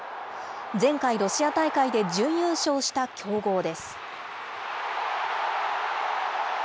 前回ロシア大会で準優勝した強豪です。